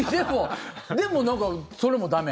でも、なんかそれも駄目。